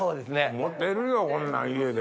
モテるよこんなん家で。